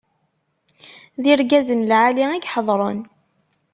D irgazen lɛali i iḥeḍren.